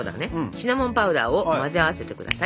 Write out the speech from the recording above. シナモンパウダーを混ぜ合わせてください。